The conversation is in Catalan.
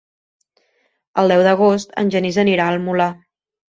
El deu d'agost en Genís anirà al Molar.